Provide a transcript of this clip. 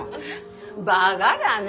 バガだね。